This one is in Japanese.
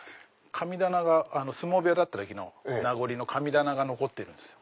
神棚が相撲部屋だった時の名残の神棚が残ってるんですよ。